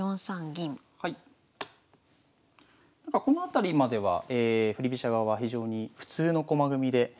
このあたりまでは振り飛車側は非常に普通の駒組みで。